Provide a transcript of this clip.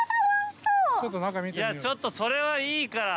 ちょっとそれはいいから。